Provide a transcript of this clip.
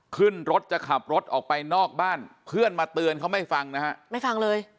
ขึ้นรถจะขับรถออกไปนอกบ้านเพื่อนมาเตือนเขาไม่ฟังนะฮะไม่ฟังเลย